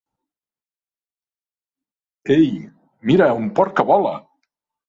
Ei, mira, un porc que vola!